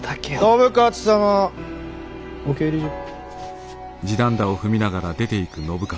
信雄様お帰りじゃ。